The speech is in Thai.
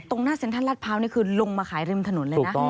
ท่านรัฐพราวนี่คือลงมาขายริมถนนเลยนะ